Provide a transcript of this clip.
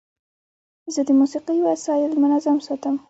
زه د موسیقۍ وسایل منظم ساتم.